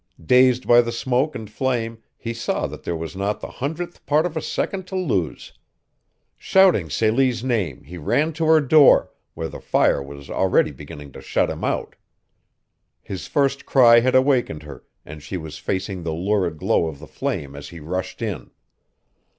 Dazed by the smoke and flame, he saw that there was not the hundredth part of a second to lose. Shouting Celie's name he ran to her door, where the fire was already beginning to shut him out. His first cry had awakened her and she was facing the lurid glow of the flame as he rushed in.